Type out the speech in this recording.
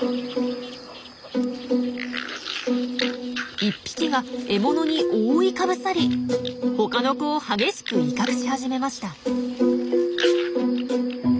１匹が獲物に覆いかぶさり他の子を激しく威嚇し始めました。